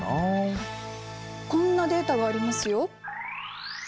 こんなデータがありますよ。